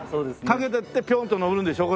駆けていってピョンと乗るんでしょ？